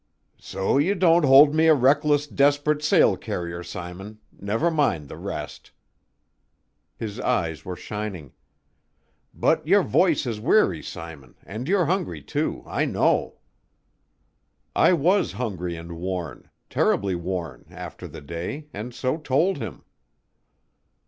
"So you don't hold me a reckless, desperate sail carrier, Simon, never mind the rest." His eyes were shining. "But your voice is weary, Simon, and you're hungry, too, I know." I was hungry and worn terribly worn after the day, and so told him.